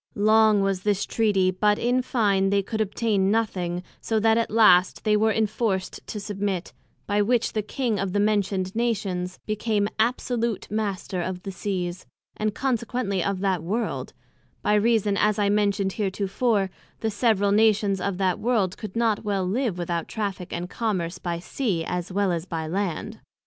Long was this Treaty, but in fine, they could obtain nothing, so that at last they were inforced to submit; by which the King of the mentioned Nations became absolute Master of the Seas, and consequently of that World; by reason, as I mentioned heretofore, the several Nations of that World could not well live without Traffick and Commerce, by Sea, as well as by Land.